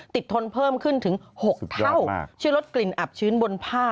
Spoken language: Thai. ทนเพิ่มขึ้นถึง๖เท่าช่วยลดกลิ่นอับชื้นบนผ้า